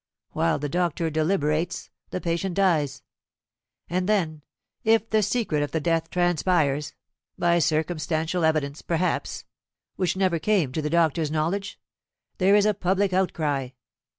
While the doctor deliberates, the patient dies. And then, if the secret of the death transpires by circumstantial evidence, perhaps, which never came to the doctor's knowledge, there is a public outcry.